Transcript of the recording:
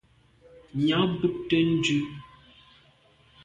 Nya bùnte ndù.